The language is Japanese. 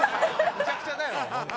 むちゃくちゃだよ本当。